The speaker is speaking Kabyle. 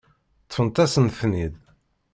Ṭṭfet-asent-ten-id.